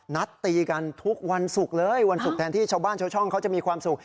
ตีกันทุกวันศุกร์เลยวันศุกร์แทนที่ชาวบ้านชาวช่องเขาจะมีความสุข